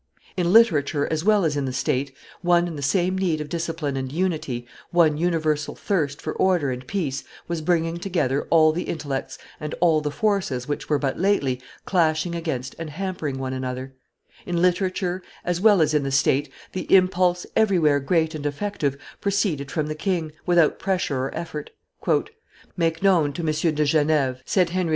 In literature as well as in the state, one and the same need of discipline and unity, one universal thirst for order and peace was bringing together all the intellects and all the forces which were but lately clashing against and hampering one another; in literature, as well as in the state, the impulse, everywhere great and effective, proceeded from the king, without pressure or effort. "Make known to Monsieur de Geneve," said Henry IV.